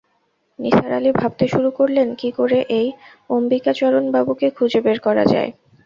নিসার আলি ভাবতে শুরু করলেন, কি করে এই অম্বিকাচরণবাবুকে খুঁজে বের করা যায়।